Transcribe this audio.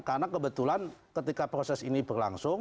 karena kebetulan ketika proses ini berlangsung